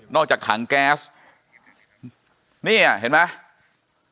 จากถังแก๊สนี่เห็นไหม